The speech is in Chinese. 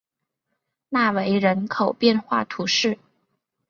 纳韦人口变化图示